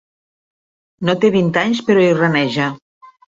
No té vint anys, però hi raneja.